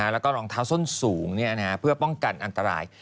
และรองเท้าที่ส่วนสูงเพื่อป้องกันอันตราย